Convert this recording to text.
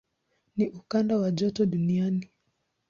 Ni ukanda wa joto duniani.